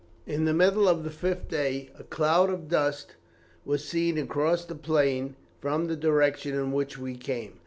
In the middle of the fifth day a cloud of dust was seen across the plain from the direction in which we came.